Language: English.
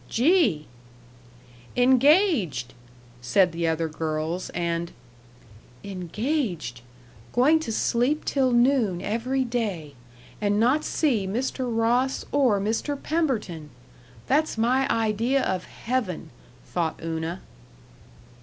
"Gee!" "Engaged!" said the other girls, and "Engaged! Going to sleep till noon every day. And not see Mr. Ross or Mr. Pemberton! That's my idea of heaven!" thought Una.